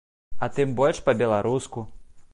А тым больш па-беларуску.